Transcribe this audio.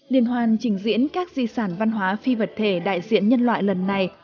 liên hoàn trình diễn các di sản văn hóa phi vật thể đại diện nhân loại lần này